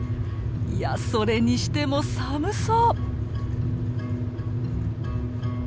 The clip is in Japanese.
いやそれにしても寒そう！